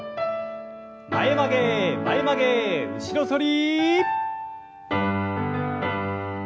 前曲げ前曲げ後ろ反り。